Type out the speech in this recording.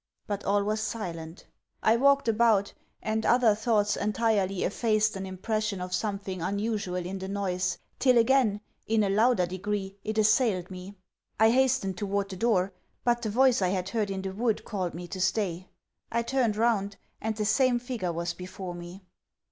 But all was silent. I walked about; and other thoughts entirely effaced an impression of something unusual in the noise; till, again, and in a louder degree, it assailed me. I hastened toward the door, but the voice I had heard in the wood called me to stay. I turned round, and the same figure was before me.